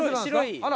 あら！